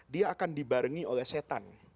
dia akan dibarengi oleh setan